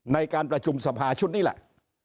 ในการประชุมสภาชุดนี้แหละ